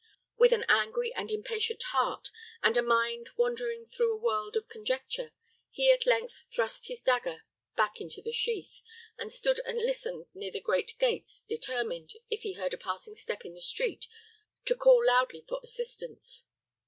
With an angry and impatient heart, and a mind wandering through a world of conjecture, he at length thrust his dagger back into the sheath, and stood and listened near the great gates, determined, if he heard a passing step in the street, to call loudly for assistance.